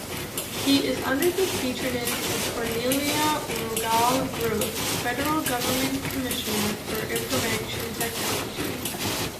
He is under the patronage of Cornelia Rogall-Grothe, Federal Government Commissioner for Information Technology.